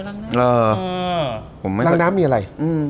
ทางน้ำมีอะไร